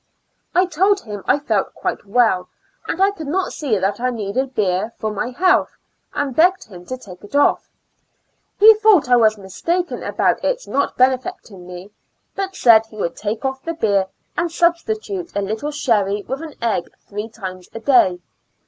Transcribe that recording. I told him I felt quite well, and I could not see that I needed beer for my health, and begged him to t^ke it off. He thought I was mistaken about its not benefitting me, but said he would take off the beer and substitute a little sherry, with an Qg^^ three times a day.